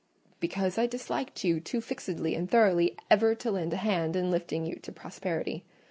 "Because I disliked you too fixedly and thoroughly ever to lend a hand in lifting you to prosperity.